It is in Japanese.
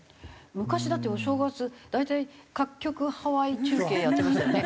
昔だってお正月大体各局ハワイ中継やってましたよね。